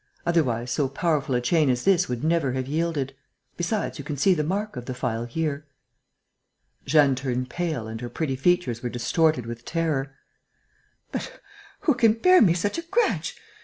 Otherwise, so powerful a chain as this would never have yielded. Besides, you can see the mark of the file here." Jeanne turned pale and her pretty features were distorted with terror: "But who can bear me such a grudge?"